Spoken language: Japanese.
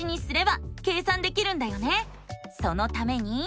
そのために。